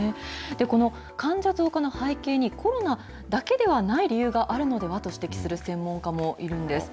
この患者増加の背景に、コロナだけではない理由があるのでは？と指摘する専門家もいるんです。